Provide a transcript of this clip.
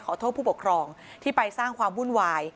โทษผู้ปกครองที่ไปสร้างความวุ่นวาย